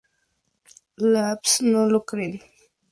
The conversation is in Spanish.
Labs no se lo creen.